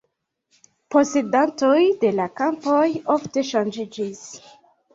Posedantoj de la kampoj ofte ŝanĝiĝis.